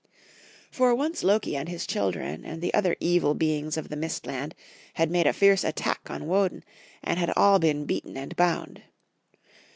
For once Loki and his children, and the other evil beings of the mist land, had made a fierce at tack on Woden, and had all been beaten and bound.